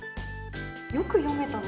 よく読めたね。